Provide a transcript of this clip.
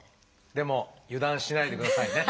でも油断しないでくださいね。